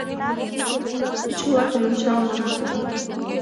— Пӱчӧ-влакым ончал. — мане тудо.